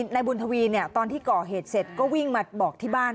นายบุญทวีตอนที่ก่อเหตุเสร็จก็วิ่งมาบอกที่บ้าน